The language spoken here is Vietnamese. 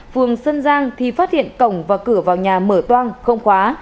phường sân giang thì phát hiện cổng và cửa vào nhà mở toan không khóa